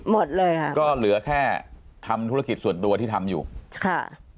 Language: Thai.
หมดเลยค่ะก็เหลือแค่ทำธุรกิจส่วนตัวที่ทำอยู่ค่ะ